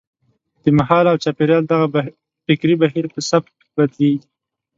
د مهال او چاپېریال دغه فکري بهیر په سبک بدلېږي.